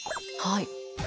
はい。